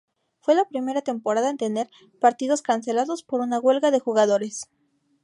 Fue la primera temporada en tener partidos cancelados por una huelga de jugadores.